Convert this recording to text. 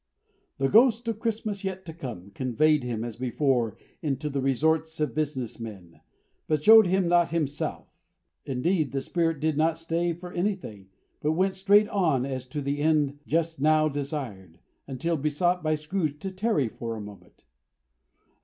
The Ghost of Christmas Yet to Come conveyed him as before into the resorts of business men, but showed him not himself. Indeed, the Spirit did not stay for anything, but went straight on, as to the end just now desired, until besought by Scrooge to tarry for a moment.